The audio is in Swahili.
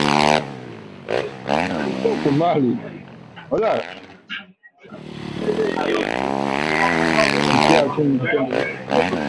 Kya chini ya kitanda abakibebaki bwima